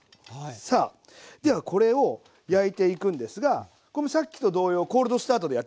さあではこれを焼いていくんですがこれもさっきと同様コールドスタートでやっていきます。